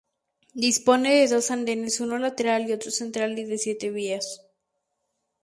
Dispone de dos andenes uno lateral y otro central y de siete vías.